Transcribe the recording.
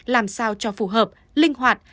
làm sao cho phù hợp linh hoạt